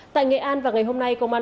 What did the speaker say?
tại nghệ an và ngày hôm nay công an